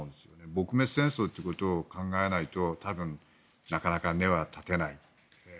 撲滅戦争ということを考えないと多分、なかなか根は断てない。